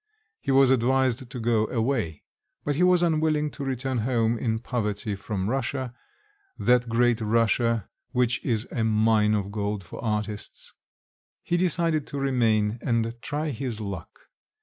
He was advised to go away; but he was unwilling to return home in poverty from Russia, that great Russia which is a mine of gold for artists; he decided to remain and try his luck.